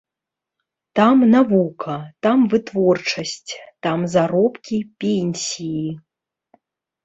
Там навука, там вытворчасць, там заробкі, пенсіі.